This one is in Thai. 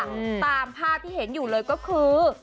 ตามภาพที่เห็นอยู่เลยก็คือ